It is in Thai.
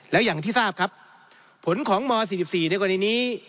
แล้วอย่างที่ทราบครับผลของม๔๔ในกรณีนี้